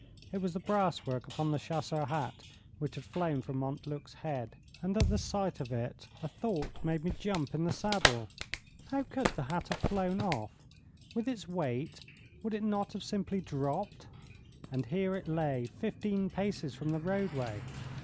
It was the brass work upon the chasseur hat which had flown from Montluc's head; and at the sight of it a thought made me jump in the saddle. How could the hat have flown off? With its weight, would it not have simply dropped? And here it lay, fifteen paces from the roadway!